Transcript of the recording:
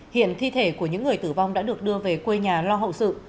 hiện thi thể của những người tử vong đã được đưa về quê nhà lo hậu sự